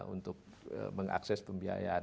untuk mengakses pembiayaan